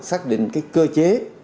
xác định cơ chế